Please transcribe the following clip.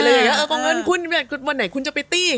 เออก็เงินคุณวันไหนคุณจะไปตี้